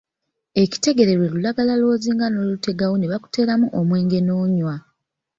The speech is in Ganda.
Ekitegere lwe lulagala lw'ozinga n'olutegawo ne bakuteeramu omwenge n'onywa.